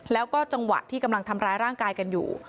แล้วก็จังหวะที่กำลังทำร้ายร่างกายกันอยู่